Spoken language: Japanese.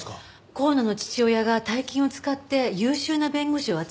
香野の父親が大金を使って優秀な弁護士を集めたそうよ。